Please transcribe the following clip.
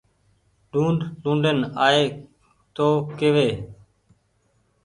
ڊونڊ ڊونڊين آئي تو ڪيوي